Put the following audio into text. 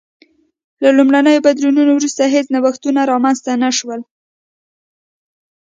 له لومړنیو بدلونونو وروسته هېڅ نوښتونه رامنځته نه شول